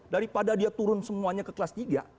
daripada dia turun semuanya ke kelas tiga